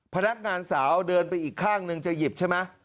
พนักงานสาวเดินไปอีกข้างหนึ่งจะหยิบใช่ไหม